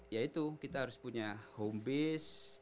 ya itu kita harus punya home base